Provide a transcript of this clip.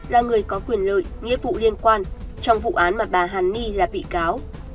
là người có quyền lợi nghĩa vụ liên quan trong vụ án mà bà hẳn nghi là bị cáo